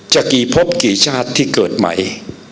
จะกี่พบกี่ชาติที่เกิดใหม่